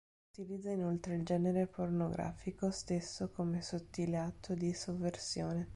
Utilizza inoltre il genere pornografico stesso come sottile atto di sovversione.